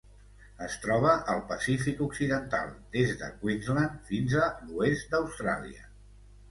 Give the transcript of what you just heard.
Es troba al Pacífic occidental: des de Queensland fins a l'oest d'Austràlia.